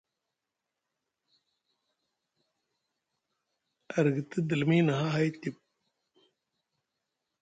A rgiti dilimi na hahay tiɓ,